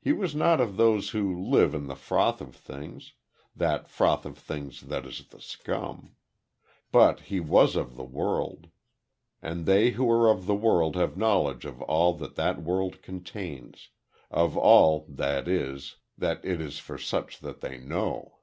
He was not of those who live in the froth of things that froth of things that is the scum. But he was of the world; and they who are of the world have knowledge of all that that world contains of all, that is, that it is for such as they to know.